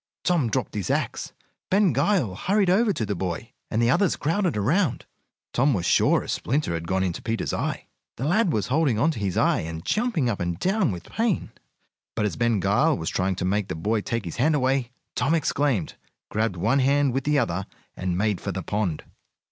Tom dropped his axe. Ben Gile hurried over to the boy, and the others crowded around. Tom was sure a splinter had gone into Peter's eye. The lad was holding on to his eye, and jumping up and down with pain. But as Ben Gile was trying to make the boy take his hand away, Tom exclaimed, grabbed one hand with the other, and made for the pond.